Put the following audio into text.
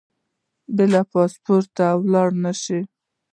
بې له پاسپورټه به ولاړ نه شې.